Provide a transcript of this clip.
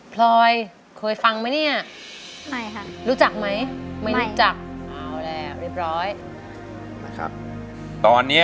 พรอยเคยฟังไหมเนี่ย